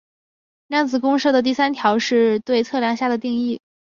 量子公设的第三条是对测量下的定义。